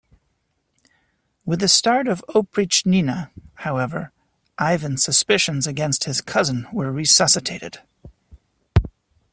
With the start of Oprichnina, however, Ivan's suspicions against his cousin were resuscitated.